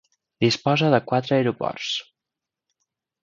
Disposa de quatre aeroports.